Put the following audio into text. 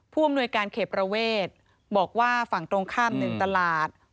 ผู้อำนวยการเขตประเวทบอกว่าฝั่งตรงข้าม๑ตลาด